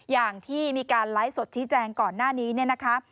อย่างที่มีการไลฟ์สดชี้แจงก่อนหน้านี้เนี่ยนะคะ